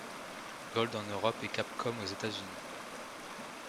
Gold en Europe et Capcom aux États-Unis.